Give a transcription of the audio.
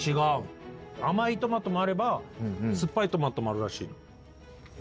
甘いトマトもあれば酸っぱいトマトもあるらしい。